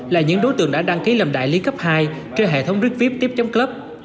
là những đối tượng đã đăng ký làm đại lý cấp hai trên hệ thống rước viếp tiếp chấm club